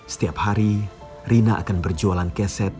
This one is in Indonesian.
setiap hari rina akan berjualan keset